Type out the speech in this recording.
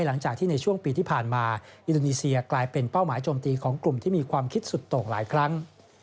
หลังจากที่ในช่วงปีที่ผ่านมาอินโดนีเซียกลายเป็นเป้าหมายโจมตีของกลุ่มที่มีความคิดสุดตกหลายครั้ง